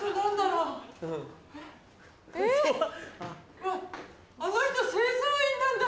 うわあの人清掃員なんだ！